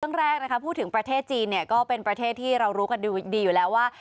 เรื่องแรกนะคะพูดถึงประเทศจีนเนี่ยก็เป็นประเทศที่เรารู้กันดีอยู่แล้วว่า